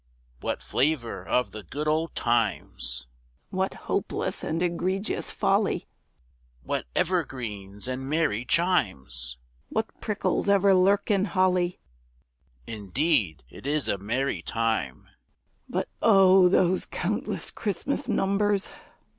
_) What flavour of the good old times! (What hopeless and egregious folly!) What evergreens and merry chimes! (What prickles ever lurk in holly!) Indeed it is a merry time; (_But O! those countless Christmas numbers!